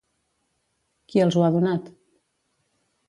Qui els ho ha donat?